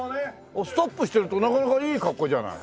ストップしてるとなかなかいい格好じゃない。